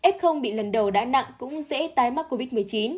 f bị lần đầu đã nặng cũng dễ tái mắc covid một mươi chín